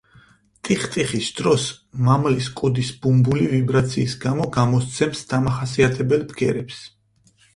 ტიხტიხის დროს მამლის კუდის ბუმბული ვიბრაციის გამო გამოსცემს დამახასიათებელ ბგერებს.